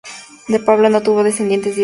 De Pablo, no tuvo descendientes directos.